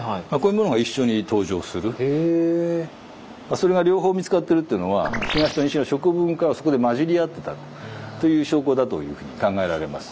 それが両方見つかってるっていうのは東と西の食文化がそこで混じり合ってたという証拠だというふうに考えられます。